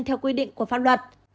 theo quy định của pháp luật